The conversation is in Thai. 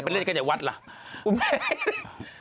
ก็เล่นกันในวัดได้